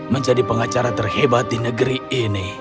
menjadi pengacara terhebat di negeri ini